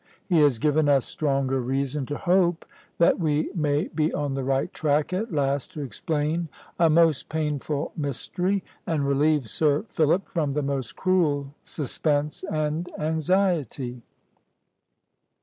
He has given us stronger reason to hope that we may be on the right track at last to explain a most painful mystery, and relieve Sir Philip from the most cruel suspense and anxiety."